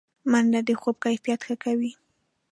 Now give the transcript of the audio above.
منډه د خوب کیفیت ښه کوي